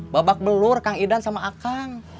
babak belur kang idan sama akang